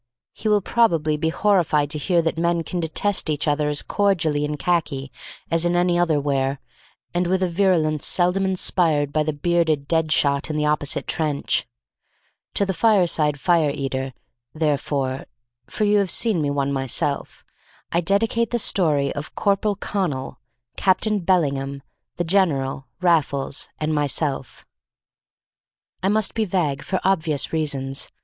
He will probably be horrified to hear that men can detest each other as cordially in khaki as in any other wear, and with a virulence seldom inspired by the bearded dead shot in the opposite trench. To the fireside fire eater, therefore (for you have seen me one myself), I dedicate the story of Corporal Connal, Captain Bellingham, the General, Raffles, and myself. I must be vague, for obvious reasons.